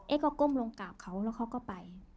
ก็ก้มลงกราบเขาแล้วเขาก็ไป